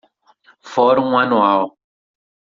Fórum Anual